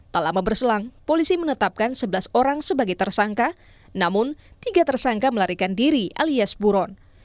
tak lama berselang polisi menetapkan sebelas orang sebagai tersangka namun tiga tersangka melarikan diri alias buron